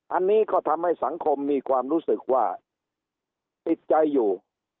อันนี้ก็ทำให้สังคมมีความรู้สึกว่าติดใจอยู่